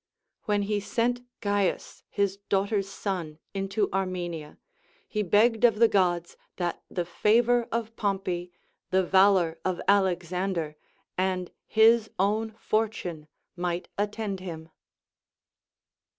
When he sent Caius his daughter's son into Armenia, he begged of the Gods that the favor of Pompey, the valor of Alexander, and his own fortune might attend him.